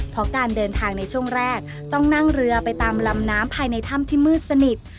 เพราะการเดินทางในช่วงแรกต้องนั่งเรือไปตามลำน้ำภายในถ้ำที่มืดสนิท